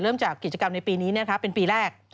เริ่มจากกิจกรรมในปีนี้เป็นปีแรก